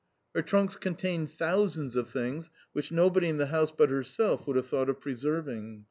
Her trunks contained thousands of things which nobody in the house but herself would have thought of preserving.